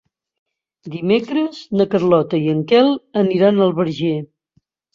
Dimecres na Carlota i en Quel aniran al Verger.